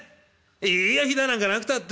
いいやひだなんかなくたって！